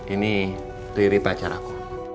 ini riri pacar aku